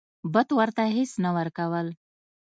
بت ورته هیڅ نه ورکول.